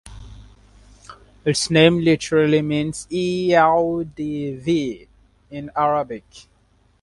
Its name literally means "eau de vie" in Arabic.